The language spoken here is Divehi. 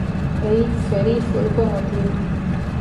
އެއީ ފެރީ ފުލްކޮށް އޮތީމަ